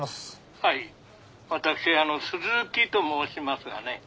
はい私あの鈴木と申しますがね。